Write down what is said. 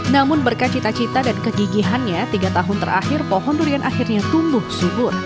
namun berkat cita cita dan kegigihannya tiga tahun terakhir pohon durian akhirnya tumbuh subur